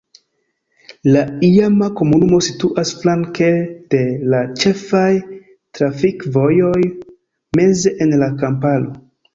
La iama komunumo situas flanke de la ĉefaj trafikvojoj meze en la kamparo.